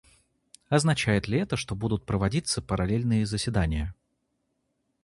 Означает ли это, что будут проводиться параллельные заседания?